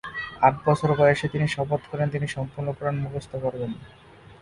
আট বছর বয়সে তিনি শপথ করেন তিনি সম্পূর্ণ কোরআন মুখস্থ করবেন।